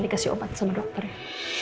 dikasih obat sama dokternya